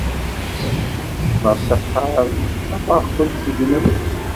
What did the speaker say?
Kecmeɣ s axxam, afeɣ-kent tegnemt.